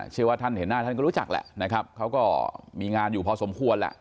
เชื่อว่าท่านเห็นหน้าท่านก็รู้จักแหละนะครับเขาก็มีงานอยู่พอสมควรแหละ